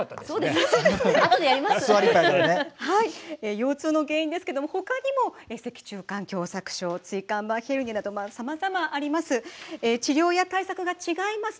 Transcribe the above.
腰痛の原因ですけどもほかにも脊柱管狭さく症椎間板ヘルニアなどさまざまあります。